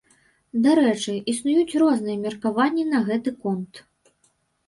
Дарэчы, існуюць розныя меркаванні на гэты конт.